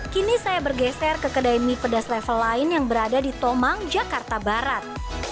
kini saya bergeser ke kedai mie pedas level lain yang berada di tomang jakarta barat